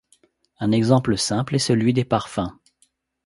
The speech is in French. Un exemple simple est celui des parfums.